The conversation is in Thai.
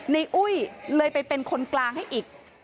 อุ้ยเลยไปเป็นคนกลางให้อีก